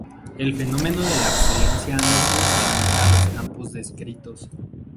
El fenómeno de la obsolescencia no sólo se limita a los campos descritos.